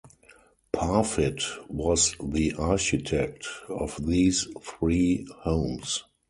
Parfitt was the architect of these three homes.